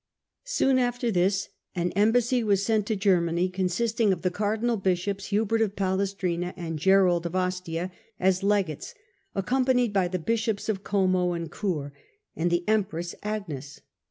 Soon after this an embassy was sent to Germany consisting of the cardinal bishops Hubert of Palestrina and Gerald of Ostia, as legates, accompanied by the Papal em. bishops of Como and Chur, and the empress G^any Agues.